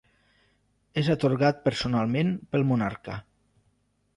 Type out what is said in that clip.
És atorgat personalment pel Monarca.